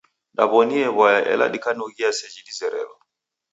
Dew'oniee w'aya ela dikanughia seji dizerelo.